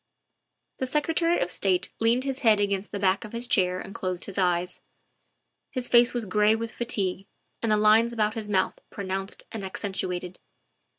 The Secretary of State leaned his head against the back of his chair and closed his eyes. His face was gray with fatigue, and the lines about his mouth pronounced 20 THE WIFE OF and accentuated.